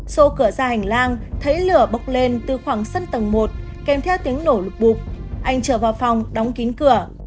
xô cửa ra hành lang thấy lửa bốc lên từ khoảng sân tầng một kèm theo tiếng nổ lực bụp anh trở vào phòng đóng kín cửa